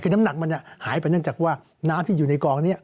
คือน้ำหนักมันหายไปเนื่องจากว่าน้ำที่อยู่ในกองนี้